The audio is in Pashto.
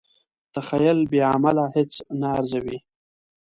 تخیل بې عمله هیڅ نه ارزوي.